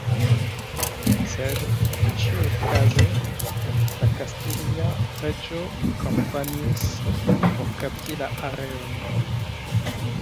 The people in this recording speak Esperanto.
Sed ĉiuokaze la kastilia reĝo kampanjis por kapti la areon.